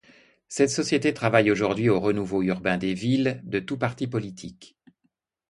Cette société travaille aujourd’hui au renouveau urbain de villes de tout parti politique.